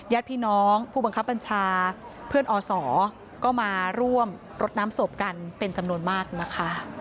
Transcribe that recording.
ญาติพี่น้องผู้บังคับบัญชาเพื่อนอศก็มาร่วมรดน้ำศพกันเป็นจำนวนมากนะคะ